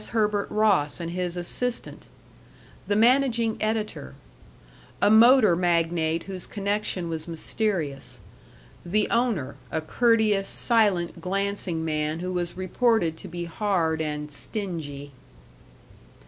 Herbert Ross and his assistant; the managing editor; a motor magnate whose connection was mysterious; the owner, a courteous, silent, glancing man who was reported to be hard and "stingy."